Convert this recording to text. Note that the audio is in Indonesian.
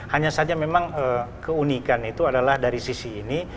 hanya saja memang keunikan itu adalah dari sisi ini